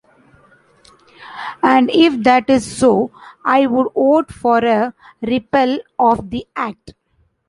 And if that is so, I would vote for a repeal of the act.